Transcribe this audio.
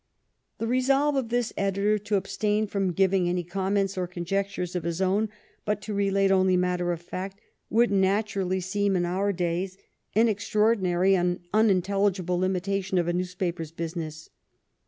The resolve of this editor to abstain from giving any comments or conjectures of his own, but to relate only matter of fact, would naturally seem in our days an extraordinary and unintelligible limitation of a newspaper's business.